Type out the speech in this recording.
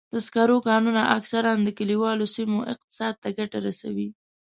د سکرو کانونه اکثراً د کلیوالو سیمو اقتصاد ته ګټه رسوي.